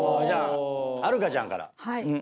はるかちゃんから。